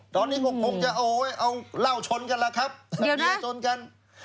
ตอนนี้ก็คงจะเอาเหล้าชนกันแล้วครับตะเกียร์ชนกัน